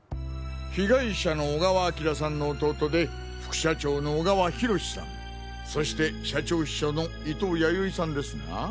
被害者の小川明さんの弟で副社長の小川浩さんそして社長秘書の伊東弥生さんですな？